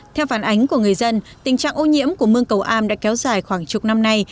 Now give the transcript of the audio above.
theo phản ánh của người dân tình trạng ô nhiễm của mương cầu am đã kéo dài khoảng chục năm nay